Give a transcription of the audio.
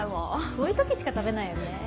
こういう時しか食べないよね。